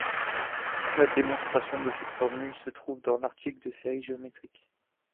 La démonstration de cette formule se trouve dans l'article de série géométrique.